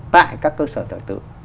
tại các cơ sở thờ tử